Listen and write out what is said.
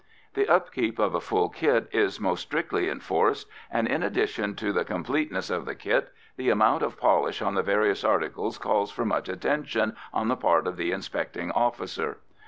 The upkeep of a full kit is most strictly enforced, and, in addition to the completeness of the kit, the amount of polish on the various articles calls for much attention on the part of the inspecting officer.